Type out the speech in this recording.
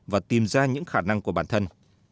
và tìm ra những khả năng của bản thân